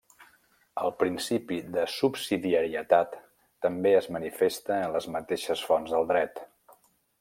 El principi de subsidiarietat també es manifesta en les mateixes fonts del Dret.